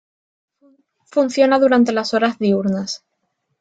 Funciona durante las horas diurnas.